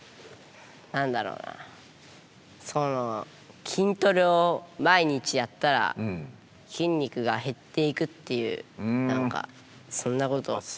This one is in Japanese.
何だろうなその筋トレを毎日やったら筋肉が減っていくっていう何かそんなことを。